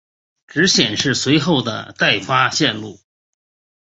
只显示随后的待发线路。